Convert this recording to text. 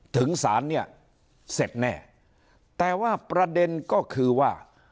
ถึงศาลเนี่ยเสร็จแน่แต่ว่าประเด็นก็คือว่า